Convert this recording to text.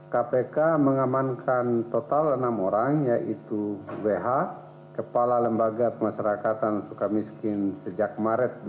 kpk mengamankan total enam orang yaitu wh kepala lembaga pemasyarakatan suka miskin sejak maret dua ribu dua puluh